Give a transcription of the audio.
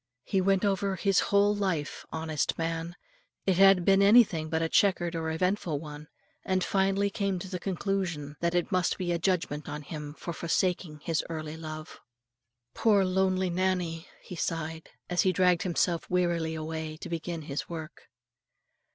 He went over his whole life, honest man, it had been anything but a chequered or eventful one, and finally came to the conclusion that it must be a judgment on him for forsaking his early love. "Poor lonely Nannie!" he sighed, as he dragged himself wearily away to begin his work.